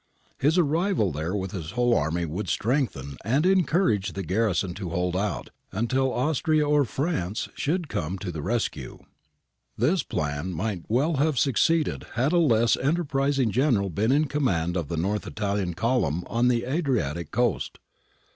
His arrival there with his whole army would strengthen and encourage the garrison to hold out until Austria or France should come to the rescue. This plan might well have succeeded had a less enterprising General been in command of the North Italian column on the Adriatic coast.